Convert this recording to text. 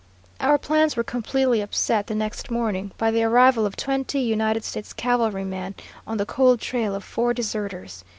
Our plans were completely upset the next morning, by the arrival of twenty United States cavalrymen on the cold trail of four deserters.